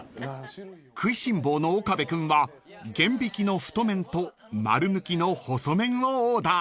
［食いしん坊の岡部君は玄挽きの太麺と丸抜きの細麺をオーダー］